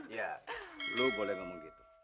iya lu boleh ngomong gitu